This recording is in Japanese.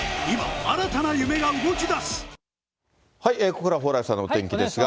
ここからは蓬莱さんのお天気ですが。